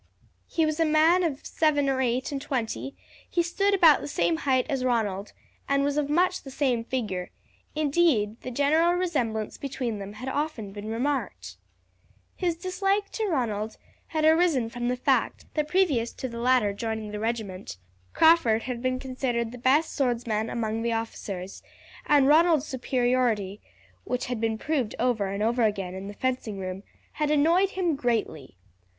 He was a man of seven or eight and twenty; he stood about the same height as Ronald and was of much the same figure, indeed the general resemblance between them had often been remarked. His dislike to Ronald had arisen from the fact that previous to the latter joining the regiment Crawford had been considered the best swordsman among the officers, and Ronald's superiority, which had been proved over and over again in the fencing room, had annoyed him greatly.